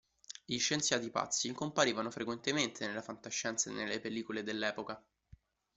Gli scienziati pazzi comparivano frequentemente nella fantascienza e nelle pellicole dell'epoca.